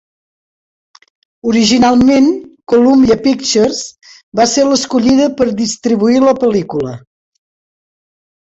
Originalment, Columbia Pictures va ser l'escollida per distribuir la pel·lícula.